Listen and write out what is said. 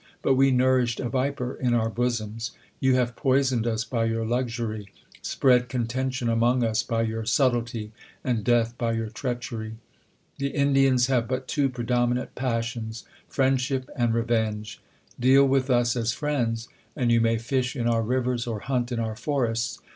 But we nourished a viper in our bosoms. You have poisoned us by your luxury ; spread contention among us by your subtlety, and death by your treach ery. The Indians have but two predominant passions, friendship and revenge. Deal with us as friends, and you may fish in our rivers or hunt in our forests.